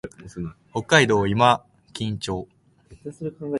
北海道今金町